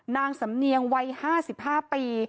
นางสำเนียงวัย๕๕ปี